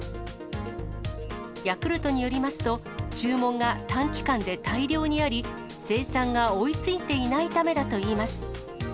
ヤクルトによりますと、注文が短期間で大量にあり、生産が追いついていないためだといいます。